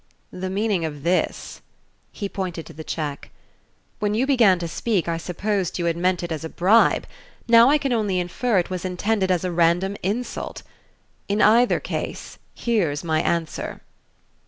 "The meaning of this." He pointed to the check. "When you began to speak I supposed you had meant it as a bribe; now I can only infer it was intended as a random insult. In either case, here's my answer."